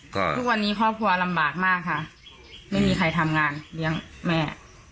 ก็ทุกวันนี้ครอบครัวลำบากมากค่ะไม่มีใครทำงานเลี้ยงแม่